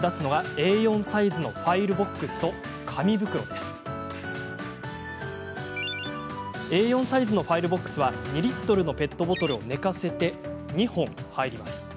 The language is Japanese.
Ａ４サイズのファイルボックスは２リットルのペットボトルを寝かせて２本入ります。